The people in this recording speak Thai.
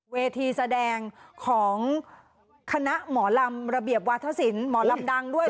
เวทีแสดงของคณะหมอลำระเบียบวาธศิลป์หมอลำดังด้วย